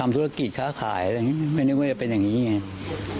ไม่นึกว่ามันเป็นแบบนี้ไง